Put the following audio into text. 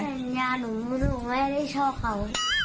อย่าหนูรู้ไม่ได้ชอบเขา